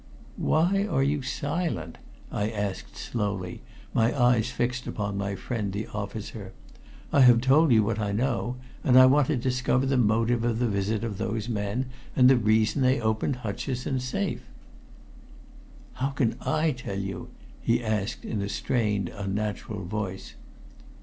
"Why are you silent?" I asked slowly, my eyes fixed upon my friend the officer. "I have told you what I know, and I want to discover the motive of the visit of those men, and the reason they opened Hutcheson's safe." "How can I tell you?" he asked in a strained, unnatural voice.